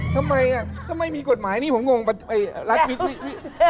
ทำไมอ่ะทำไมมีกฎหมายนี้ผมงงไปรัฐวิสคอนซิน